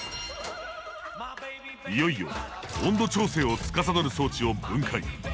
いよいよ温度調整をつかさどる装置を分解。